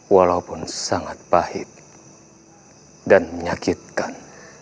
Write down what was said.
walaupun sangat pahit dan menyakitkan